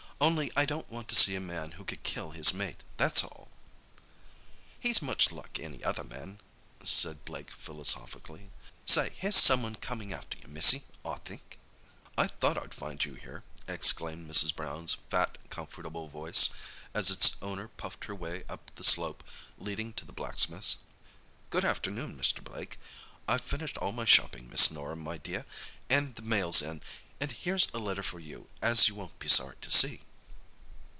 Only I don't want to see a man who could kill his mate, that's all." "He's much like any other man," said Blake philosophically. "Say, here's someone comin' after you, missy, I think." "I thought I'd find you here," exclaimed Mrs. Brown's fat, comfortable voice, as its owner puffed her way up the slope leading to the blacksmith's. "Good afternoon, Mr. Blake. I've finished all my shopping, Miss Norah, my dear, and the mail's in, and here's a letter for you, as you won't be sorry to see."